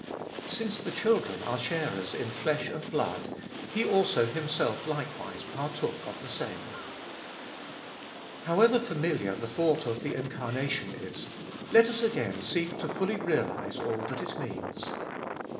Since the children are sharers in flesh and blood, He also Himself likewise partook of the same. However familiar the thought of the incarnation is, let us again seek to realise fully 96 abe Ibolfest of ail all that it means.